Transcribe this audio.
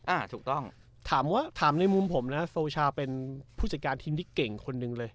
อ่าถูกต้องถามว่าถามในมุมผมนะโซชาเป็นผู้จัดการทีมที่เก่งคนหนึ่งเลย